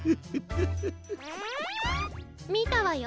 みたわよ。